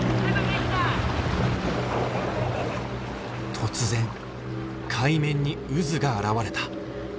突然海面に渦が現れた！